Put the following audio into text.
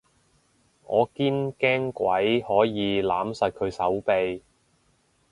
我堅驚鬼可以攬實佢手臂